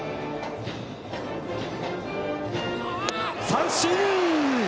三振！